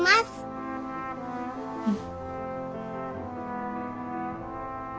うん。